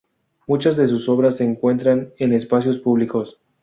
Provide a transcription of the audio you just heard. Muchas de sus obras se encuentra en espacios públicos.